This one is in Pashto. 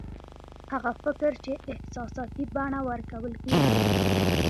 هغه فکر چې احساساتي بڼه ورکول کېږي